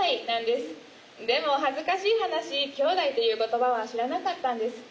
でも恥ずかしい話「きょうだい」という言葉は知らなかったんです。